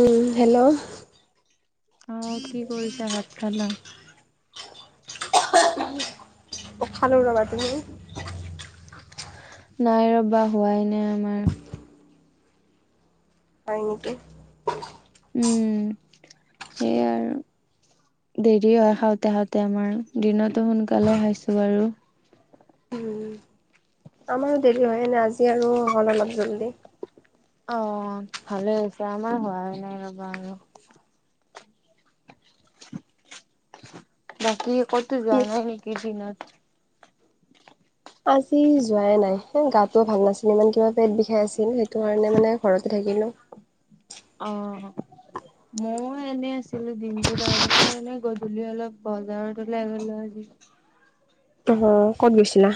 উম hello. অ কি কৰিছা? ভাত খালা? অ' খালোঁ ৰবা, তুমি? নাই ৰবা, হোৱাই নাই আমাৰ। হয় নেকি? উম। এই আৰু। দেৰি হয় খাওঁতে - খাওঁতে আমাৰ। দিনতো সোনকালে খাইছোঁ বাৰু। উম, আমাৰো দেৰি হয় এনে, আজি আৰু হ'ল অলপ জল্দি। অ', ভালে হৈছে। আমাৰ হোৱাই নাই ৰবা আৰু। বাকী ক'তো যোৱা কি নাই নেকি দিনত? আজি যোৱাই নাই। গাটোও ভাল নাছিলে ইমান, কিবা পেট বিষাই আছিলে। সেইটো কাৰণে মানে ঘৰতে থাকিলোঁ। অ', মই এনে আছিলোঁ। দিনটো তাৰপিছত এনে গ ধুলি অলপ বজাৰলৈ ওলাই গ'লো আজি। অ', ক'ত গৈছিলা?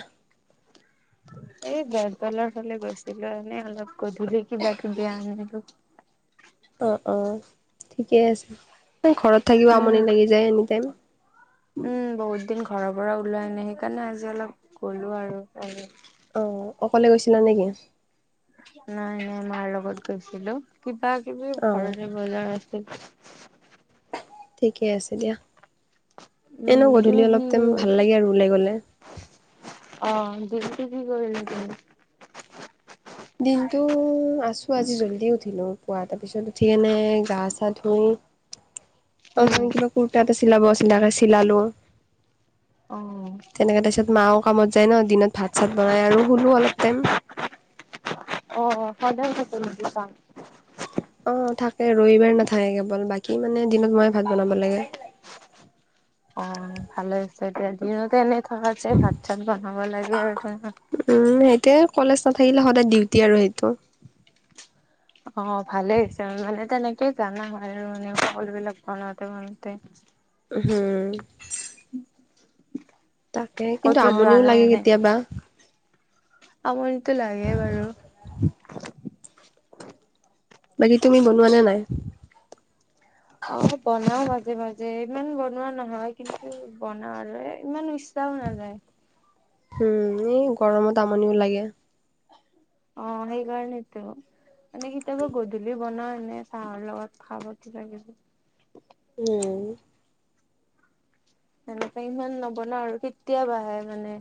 এই বেলতলাৰ ফালে গৈছিলো। এনে অলপ গধুলি কিবা-কিবি আনিলো। অ' - অ', ঠিকে আছে। ঘৰত থাকিব আমনি উম লাগি যায় এনি টাইম। উম, বহুত দিন ঘৰৰ পৰা ওলোৱা নাই। সেইকাৰণে আজি অলপ গ'লো আৰু [unintelligible] অ' অকলে গৈছিলা নেকি? নাই - নাই, মাৰ লগত গৈছিলো। কিবা-কিবি অ', ঘৰৰে বজাৰ আছিল। ঠিকে আছে দিয়া। উম, এনেও গধূলি তুমি কি অলপ টাইম ভাল লাগে আৰু ওলাই গ'লে। অ' দিনটো কি কৰিলি তই? দিনটো আছোঁ আজি জল্দি উঠিলো পুৱা, তাৰপিছত উঠিকেনে গা-চা ধুই [unintelligible] অলপমান কিবা কুৰ্তা এটা চিলাব আছিল, তাকে চিলালোঁ। অ'। এনেকা, তাৰপছত মাও কামত যায় ন', দিনত ভাত-চাত বনাই আৰু শুলোঁ অলপ টাইম। অ', সদায় থাকে নেকি কাম? অ' থাকে। ৰবিবাৰ নাথাকে কেৱল। বাকী মানে দিনত মই ভাত বনাব লাগে। অ' ভালে হৈছে দিয়া। দিনতে এনে থাকাত চাই, ভাত-চাত বনাব লাগে আৰু উম, সেইটোৱে। কলেজ নাথাকিলে সদায় ডিউটি আৰু সেইটো। অ' ভালে হৈছে, মানে তেনেকে জানা হয় আৰু, মানে সকলোবিলাক বনাওঁতে - বনাওঁতে। উ-হম। উ [unintelligible] তাকে, কিন্তু আমনিও লাগে কেতিয়াবা। আমনিতো লাগে বাৰু। বাকী তুমি বনোৱা নে নাই? অ' বনাওঁ মাজে - মাজে। ইমান বনোৱা নহয়, কিন্তু বনাওঁ আৰু এ। ইমান ইচ্ ছাও নাযায়। উম, এই গৰমত আমনিও লাগে। অ' সেইকাৰণেটো। মানে কেতিয়াবা গধূলি বনাওঁ এনে চাহৰ লগত খাব কিবাকিবি। উম। এনেকা ইমান নবনাওঁ আৰু, কেতিয়াবাহে মানে।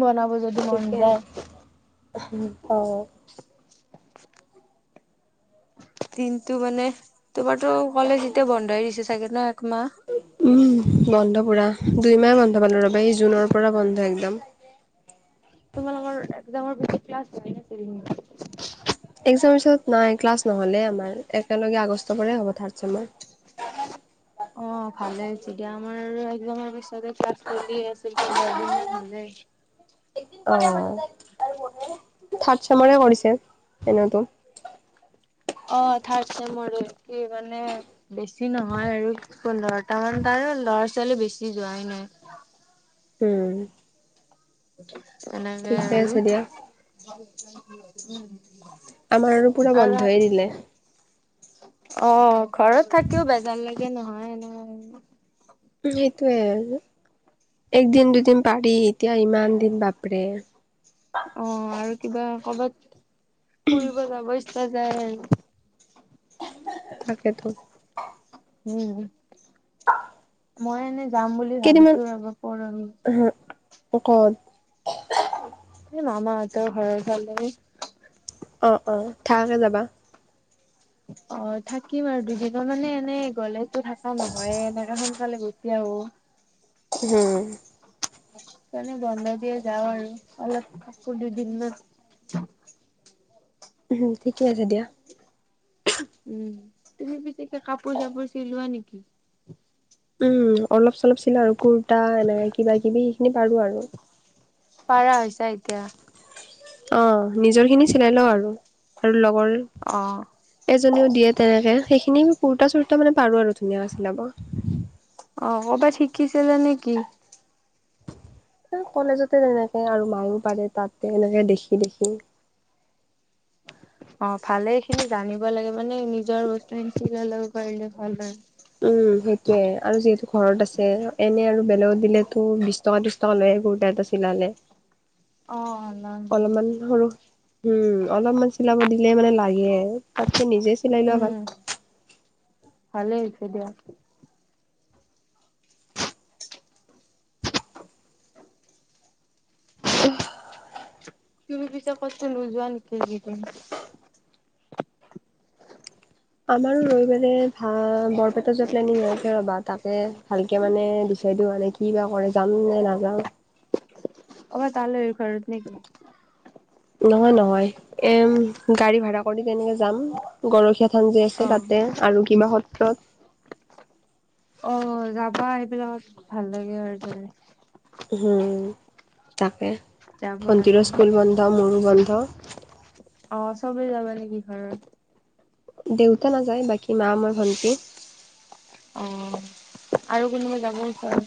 বনাব য ঠিকে। অ'। [inaudible] কিন্তু মানে, তোমাৰতো কলেজ এতিয়া বন্ধই দিছে চাগে ন' একমাহ? উম, বন্ধ পুৰা। দুইমাহে বন্ধ পালোঁ ৰবা, এই জুনৰ পৰা বন্ধ একদম। তোমালোকৰ একজামৰ পিছত ক্লাছ হোৱাই নাছিল নেকি? একজামৰ পিছত নাই, ক্লাছ নহলে আমাৰ। একেলগে আগষ্টৰ পৰা হ'ব থাৰ্ড ছেমৰ। অ' ভালে হৈছে দিয়া। আমাৰ আৰু একজামৰ পিছতে ক্লাছ চলি আছিল। পোন্ধৰ দিনমান হলে। অ, থাৰ্ড চেমাৰে কৰিছে এনেতো। অ, থাৰ্ড চেম কি মানে। বেছি নহয় আৰু পোন্ধৰটামান ত আৰু ল'ৰা ছোৱালী বেছি যোৱাই নাই। উম, এনেকে ঠিকে আৰু। আছে দিয়া। আমাৰ আৰু পুৰা বন্ধই দিলে। অ, ঘৰত থাকিও বেজাৰ লাগে নহয় এনে। সেইটোয়ে একদিন দুদিন পাৰি এতিয়া ইমান দিন বাপৰে। অ, আৰু কিবা কৰ'বাত ফুৰিব যাব ইচ্ছা যায় আৰু। তাকেটো। উম, অ' [inaudible] মই এনেই যাম বুলি ভাবিছো ৰব পৰহি। কত? এই মামাহঁতৰ ঘৰৰ ফালে। অ', অ', থাকাকৈ যাবা। অ, থাকিম আৰু দুদিনৰ মানে এনেই গলেতো থকা নহয় এনেকাে সোনকালে গুচি গুচি আহো। [unintelligible] হুম, কাৰানে বন্ধ দিয়ে যাও আৰু অলপ থাকো দুদিনত। উম, ঠিকে আছে দিয়া। উম, তুমি পিটিকা কাপোৰ চাপোৰ চিলোৱা নেকি? উম, অলপ চলপ চিলাও আৰু কুুৰ্তা এনেে কিবা কিবি সেইখিনি পাৰো আৰু। পাৰা হৈছে এতিয়া। অ, নিজৰ খিনি চিলাই লও আৰু আৰু লগৰ অ', এজনীও দিয়ে তেনেকে সেইখিনি কুৰা চুৰা মানে পাৰো আৰু ধুনীয়াাকৈ চিলাব। অ, ক'বাত শিকিছিলে নেকি? কলেজতে তেনেকে আৰু মায়ও পাৰে তাতে এনেকে দেখি - দেখি। অ, ভালে এই খিনি জানিব লাগে মানে নিজৰ বস্তু খিনি লব পাৰিলে ভাল হয়। উম, সেইটোয়ে আৰু যিহেতু ঘৰত আছে এনে আৰু বেলেগত দিলেতো বিশ টকা কুৰ্তা এটা চিলালে। অ, ল লও। [unintelligible] অলপমান সৰু উম, অলপমান চিলাব দিলে মানে লাগে তাতকৈ নিজে চিলাই লোৱা ভাল। ভালেই হৈছে দিয়া। তুমি পিছে কটো নো যোৱা নেকি য আমাৰো ৰৈ মোলী ভা বৰপেটাত যোৱা প্লেনিং হৈ আছে ৰ'বা তাকে ভালকে মানে দিচাই দিও নেকি? কি বা কৰে যাম নে নাযাও। অবাৰ তালৈ ঘৰত নেক কি? [unintelligible] নহয় - নহয় এ গাড়ী ভাড়া কৰিকেনে যাম। গৰখীয়া থান যেি আছে অ', তাতে আৰু কিবা সত্ৰত। অ, যাবা সেইবিলাকত ভাল লাগে আৰু। উম, তাকে যাব ভণ্টীৰ লাগে। স্কুল বন্ধ মোৰো বন্ধ। অ, চবে যাবা নেকি ঘৰত। দেউতা নাযায় বাকী মা মই ভণ্টি। অ, আৰু কোনোবা যাব বিচাৰো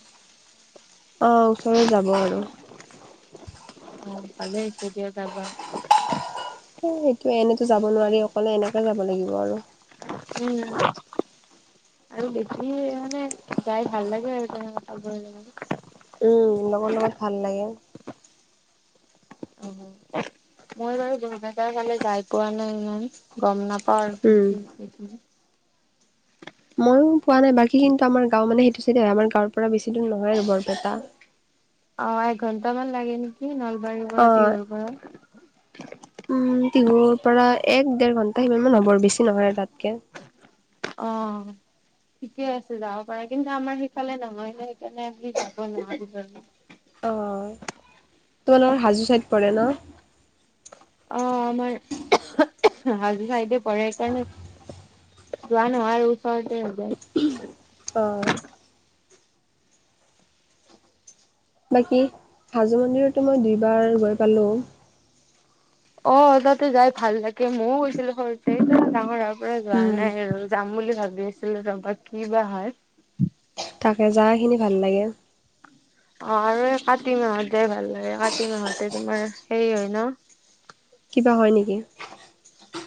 অ, ওচৰে যাব আৰু। ভালে আছা দিয়া জাবা। এ এইটো এনেতো যাব নোৱাৰি অকলে এনেকে যাব লাগিব আৰু। উম, আৰু বেছি মানে গাই ভাল লাগে আৰু তেওঁ আগৰ [unintelligible] উম লগৰ লগত ভাল লাগে। উম হোম। মই বাৰু [unintelligible] ফালে যাই পোৱা নাই ইমান গম নাপাওঁ আৰু উম কি ময়ো পোৱা নাই বাকী কিন্তু আমাৰ গাঁও মানে সেইটো চাইডে হয় আমাৰ গাঁৱৰ পৰা বেছি দূৰ নহয় আৰু বৰপেটা। অঁ এক ঘন্টামান লাগে নেকি নলবাৰীৰ পৰা অ টিহুৰ পৰা। উম টিহুৰ পৰা এক দেৰ ঘণ্টা সিমান মান হ'ব আৰু বেছি নহয় আৰু তাতকে। অঁ। ঠিকে আছে যাব পাৰা। কিন্তু আমাৰ সেইফালে নহয় সেইকাৰণে আমি যাব নোৱাৰোঁ। অঁ, তোমালোকৰ হাজো চাইড পৰে ন? অঁ আমাৰ, উমহ উমহ, হাজো চাইডে পৰে সেইকাৰণে যোৱা নহয় আৰু ওচৰতে হৈ যায়। অঁ। বাকী হাজো মন্দিৰতো মই দুইবাৰ গৈ পালোঁ। অঁ তাতে যায় ভাল লাগে ময়ো গৈছিলো সৰুতে এতিয়া ডাঙৰ হোৱাৰ পৰা যোৱা উম, নাই আৰু। যাম বুলি ভাবি আছিলোঁ তাপা কি বা হয়। তাকে যাৱা খিনি ভাল লাগে। অঁ আৰু এই কাতি মাহত যায় ভাল লাগে। কাতি মাহতে তোমাৰ হেৰী হয় ন? [unintelligible] কিবা হয় নেকি?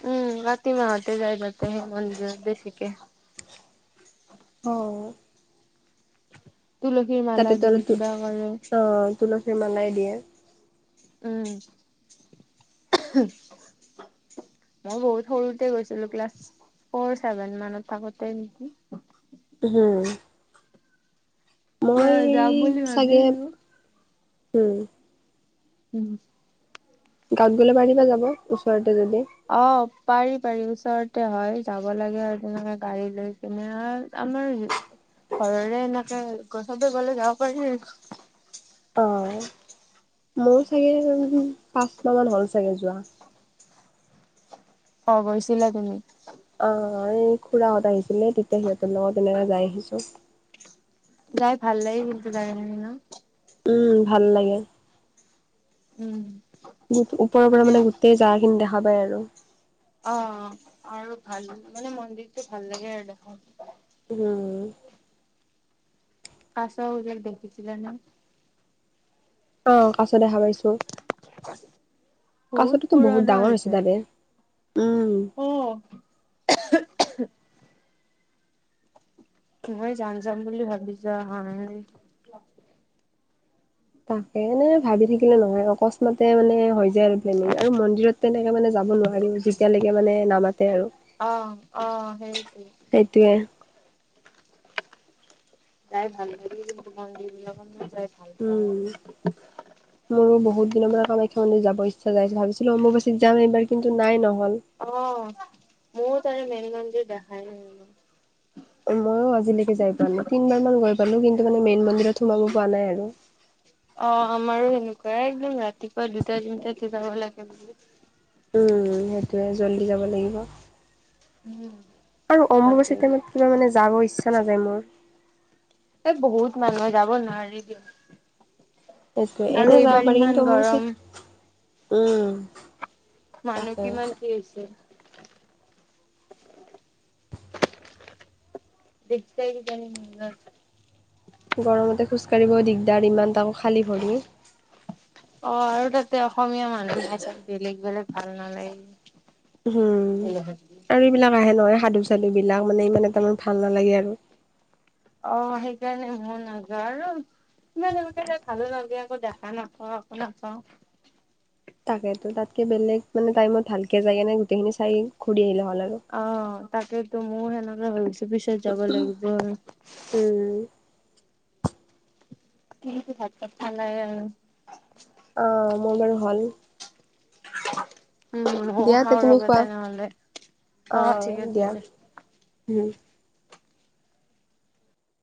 উম কাতি মাহতে যায় তাতে হে মন্দিৰত বেছিকে। অঁও। তুলসীৰ মালা তাতেতো আৰু দিয়ে কিবা কৰে। অ' তুলসীৰ মালাই দিয়ে। উম, উমহ। মই বহুত সৰুতে গৈছিলো ক্লাছ ফ'ৰ ছেভেন মানত থাকোতে নেকি? হোম। এতিয়া মই যাম বুলি সেই চাগে ভাবিছো হোম। উম। গাঁৱত গ'লে পাৰিবা যাব ওচৰতে যদি। অঁ পাৰি পাৰি ওচৰতে হয় যাব লাগে আৰু তেনেকে গাড়ী লৈ কিনে আ আমাৰ ঘৰৰে এনেকে চবে গ'লে যাব পাৰি আৰু। অঁ মোৰো চাগে উম পাঁচ মাহ মান হ'ল চাগে যোৱা। অহ গৈছিলা তুমি? অঁ এই খুৰাহঁত আহিছিলে তেতিয়া সিহঁতৰ লগত এনেকে যায় আহিছোঁ। যায় ভাল লাগে কিন্তু জাগা খিনি ন? উম ভাল লাগে। উম। গোট ওপৰৰ পৰা মানে গোটেই জাগা খিনি দেখা পায় আৰু। অঁ আৰু ভাল মানে মন্দিৰটো ভাল লাগে আৰু দেখাত। উম। কাছবিলাক দেখিছিলে নে? অঁ কাছ দেখা পাইছোঁ। বহুত কাছটোতো বহুত পুৰণা ডাঙৰ আছে তাতে। উম। অহ, উমহ উমহ। মই যাম যাম বুলি ভাবিছোঁ যোৱা হোৱা নাই। তাকে মানে ভাবি থাকিলে নহয় অকস্মাতে মানে হৈ যায় আৰু প্লেনিং আৰু মন্দিৰত তেনেকে মানে যাব নোৱাৰিও। যেতিয়ালৈকে মানে নামাতে আৰু। অ', অ', সেইটোৱে সেইটোৱে। যায় ভাল লাগে কিন্তু মন্দিৰ বিলাকত মোৰ যায়। উম। মোৰো বহুত দিনৰ পৰা কামাখ্যা মন্দিৰ যাব ইচ্ছা যাই ভাবিছিলোঁ অম্বু বাচীত যাম এইবাৰ কিন্তু নাই নহল অ মোৰ তাৰে মেনগঞ্জিৰ দেখাই নাই মইয়ো আজিলৈকে যাই পোৱা নাই তিনবাৰ মান গৈ পালো কিন্তু মানে মেইন মন্দিৰত সোমাব পোৱা নাই আৰু অ আমাৰো সেনেকুৱা একদম ৰাতিপুৱা দুটা তিনিটাতে যাব লাগে বুলে উম সেইটোয়ে জল্দি যাব লাগিব উম আৰু অম্বুবাচী তাকেই, টাইমত কিবা মানে যাব ইচ্ছা নাযায় মোৰ এ বহুত মানুহে যাব নোৱাৰি দিয়া সেইটোৱে এনে যাব পাৰি ইমান কিন্তু গৰম, অম্বুবাচীত উম মানুহ তাকে। কিমান কি হৈছে [unintelligible] গৰমতে খোজকাঢ়িব দিগদাৰ ইমান টাকৌ খালী ভৰি অ আৰু তাতে অসমীয়া মানুহ না চাই বেলেগ বেলেগ ভাল নালাগে উম আৰু এইবিলাক আহে নহয় সাধু চাধু বিলাক মানে ইমান এটা মোৰ ভাল নালাগে আৰু অ সেইকাৰণে মন নাযাওঁ আৰু ইমান সোনকালে এ ভালো লাগে আকৌ দেখা নাপাওঁ একো নাপাওঁ তাকেতো তাতকে বেলেগ মানে টাইমত ভালকে যায় কিনে গোটেইখিনি চাই ঘূৰি আহিলে হ'ল আৰু অ তাকতো মোৰ সেনেকে ভাবিছো পিছত যাব লাগিব আৰু উম কিহে দি ভাত ছাত খালায়ে অ মোৰ বাৰু হল উ মইও দিয়া তে খাও তুমি ৰবা খোৱা তেনেহলে অ ঠিক আছে দিয়া উম